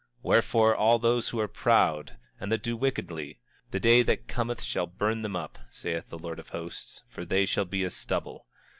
26:4 Wherefore, all those who are proud, and that do wickedly, the day that cometh shall burn them up, saith the Lord of Hosts, for they shall be as stubble.